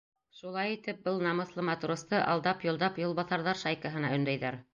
Шулай итеп, был намыҫлы матросты алдап-йолдап юлбаҫарҙар шайкаһына өндәйҙәр.